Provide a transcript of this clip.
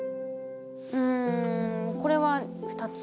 うんこれは２つ。